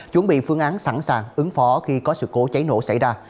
chuẩn bị phương án sẵn sàng ứng phó khi có sự cố cháy nổ xảy ra